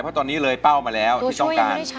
เพราะตอนนี้เลยเป้ามาแล้วที่ต้องการ